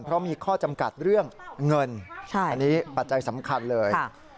เพราะมีข้อจำกัดเรื่องเงินอันนี้ปัจจัยสำคัญเลย